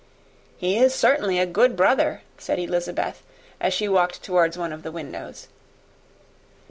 "He is certainly a good brother," said Elizabeth, as she walked towards one of the windows.